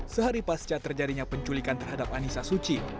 sehari pasca terjadinya penculikan terhadap anissa suci